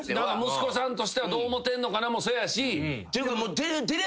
息子さんとしては「どう思ってんのかな？」もそうやし。